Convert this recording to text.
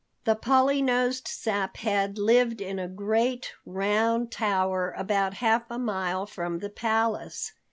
The Polly nosed Saphead lived in a great, round tower about half a mile from the palace.